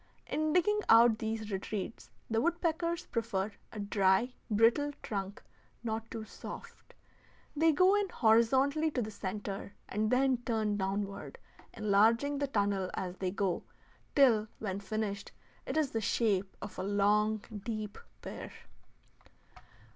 In digging out these retreats the woodpeckers prefer a dry, brittle, trunk, not too soft. They go in horizontally to the centre and then turn downward, enlarging the tunnel as they go, till when finished it is the shape of a long, deep pear.